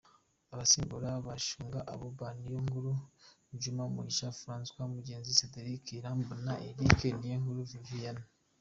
Abasimbura : Bashunga Abouba, Niyonkuru Djuma, Mugisha Francois, Mugenzi Cedric, Irambona Eric, Niyonkuru Vivien.